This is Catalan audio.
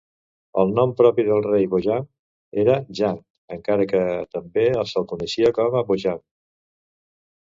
El nom propi del rei Bojang era Jang, encara que també s'el coneixia com Bojang.